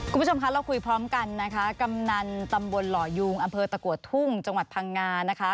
คุณผู้ชมคะเราคุยพร้อมกันนะคะกำนันตำบลหล่อยูงอำเภอตะกัวทุ่งจังหวัดพังงานะคะ